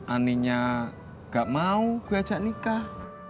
aninya gak mau gue ajak nikah